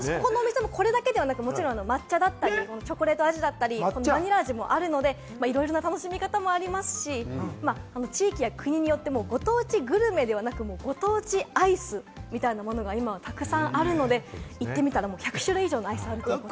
これだけではなく、もちろん抹茶だったり、チョコレート味だったり、バニラ味もあるので、いろいろな楽しみ方もありますし、地域や国によってご当地グルメではなく、ご当地アイスみたいなものが今、沢山あるので行ってみたら１００種類以上のアイスあると思います。